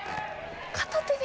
片手で？